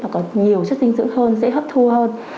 mà có nhiều chất dinh dưỡng hơn dễ hấp thu hơn